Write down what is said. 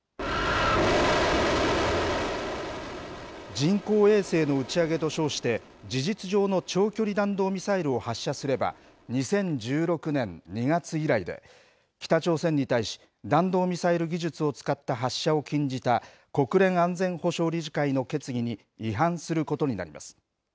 人工衛星の打ち上げと称して事実上の長距離弾道ミサイルを発射すれば、２０１６年２月以来で、北朝鮮に対し、弾道ミサイル技術を使った発射を禁じた国連安全保障理事会の決議に違反することになります。